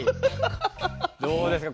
どうですか？